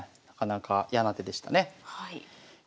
なかなか嫌な手でしたね。